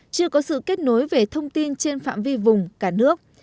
chưa có sự kết nối về thông tin trên phạm vi vùng cả nước